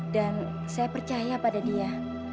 dan saya percaya pada dia